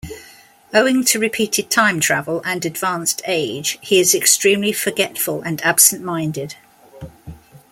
Owing to repeated time travel and advanced age, he is extremely forgetful and absent-minded.